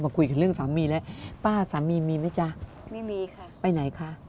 คุยกันเรื่องสามีแล้วป้าสามีมีไหมจ๊ะไม่มีค่ะไปไหนคะ